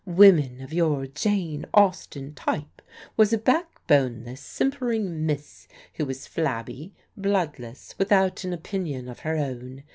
Woman of your Jane Austen type was a backbondess, simpering miss who was flabby, blood less, without an opinion of her own.